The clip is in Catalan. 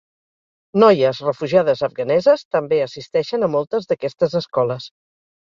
Noies refugiades afganeses també assisteixen a moltes d'aquestes escoles.